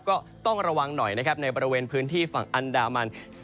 ก็ต้องระวังหน่อยนะครับในบริเวณพื้นที่ฝั่งอันดามัน